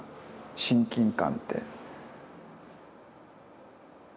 親近感って。